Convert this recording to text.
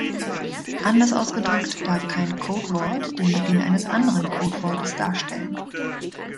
Anders ausgedrückt darf kein Codewort den Beginn eines anderen Codewortes darstellen.